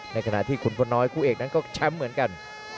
ในขณะที่ขุนพลน้อยคู่เอกนั้นก็แชมป์เหมือนกัน